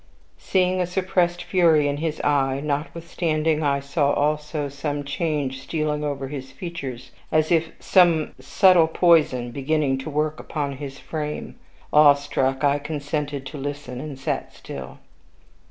Seeing a suppressed fury in his eye, notwithstanding I saw also some change stealing over his features as if from some subtle poison beginning to work upon his frame, awestruck I consented to listen, and sat still.